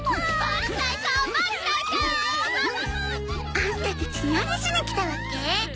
アンタたち何しに来たわけ？